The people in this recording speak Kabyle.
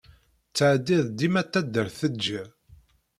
Ttɛadid dima taddart deǧǧiḍ?